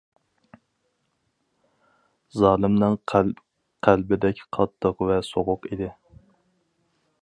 زالىمنىڭ قەلبىدەك قاتتىق ۋە سوغۇق ئىدى.